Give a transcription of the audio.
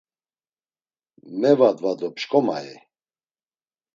Mevadva do pşǩomai?